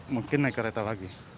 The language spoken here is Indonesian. mungkin naik kereta lagi